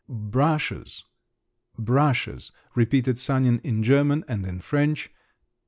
"Brushes, brushes," repeated Sanin in German and in French.